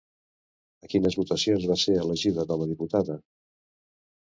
A quines votacions va ser elegida com a diputada?